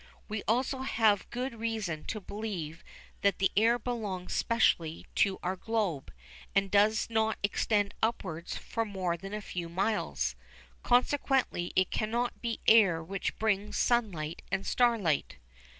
We also have good reason to believe that the air belongs specially to our globe, and does not extend upwards for more than a few miles. Consequently it cannot be air which brings sunlight and starlight.